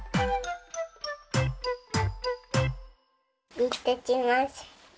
いってきます。